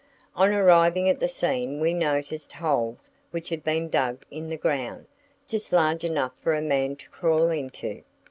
On arriving at the scene we noticed holes which had been dug in the ground, just large enough for a man to crawl into.